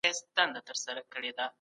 اووه، اته، نهه تر شپږو وروسته عددونه دي.